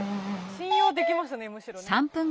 信用できますねむしろね。